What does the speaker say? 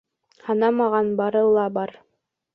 Һанамаған, бары ла бар.